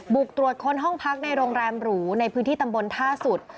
บุกตรวจค้นห้องพักในโรงแรมหรูในพื้นที่ตำบลท่าสุด